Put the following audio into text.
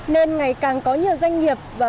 nên ngày càng có nhiều doanh nghiệp